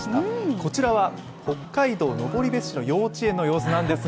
こちらは北海道登別市の幼稚園の様子なんですが。